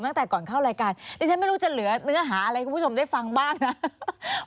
ตั้งแต่ก่อนเข้ารายการดิฉันไม่รู้จะเหลือเนื้อหาอะไรให้คุณผู้ชมได้ฟังบ้างนะ